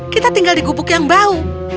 kita tinggal di gubuk yang bau